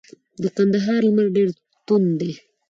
د کندهار لمر ډیر توند دی.